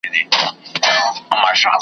ډار به واچوي په زړوکي .